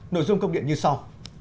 nội dung công điện như sau